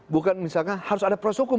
bukan misalnya harus ada proses hukum